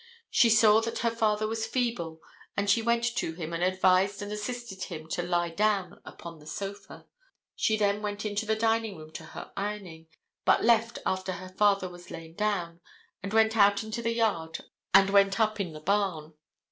She saw that her father was feeble, and she went to him and advised and assisted him to lie down upon the sofa. She then went into the dining room to her ironing, but left after her father was lain down, and went out into the yard and went up in the barn.